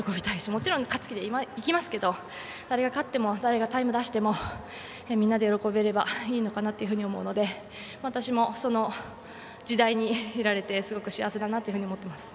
もちろん、勝つ気で行きますけど誰が勝っても誰がタイムを出してもみんなで喜べればいいのかなと思うので私もその時代にいられてすごく幸せだなと思っています。